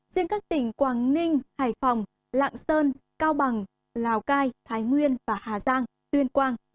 riêng các tỉnh quảng ninh hải phòng lạng sơn cao bằng lào cai thái nguyên và hà giang tuyên quang